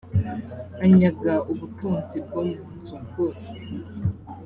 anyaga ubutunzi bwo mu nzu bwose